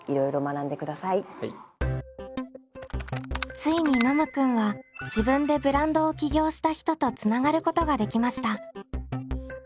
ついにノムくんは自分でブランドを起業した人とつながることができました！